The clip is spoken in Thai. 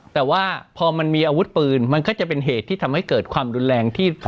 แต่ว่าพอมันมีอาวุธปืนมันก็จะเป็นเหตุที่ทำให้เกิดความรุนแรงที่